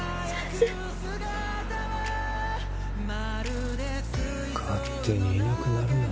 天堂：勝手にいなくなるなよ。